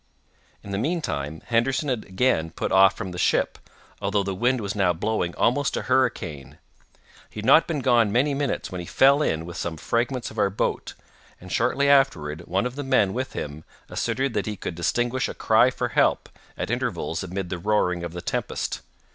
In the meantime, Henderson had again put off from the ship, although the wind was now blowing almost a hurricane. He had not been gone many minutes when he fell in with some fragments of our boat, and shortly afterward one of the men with him asserted that he could distinguish a cry for help at intervals amid the roaring of the tempest.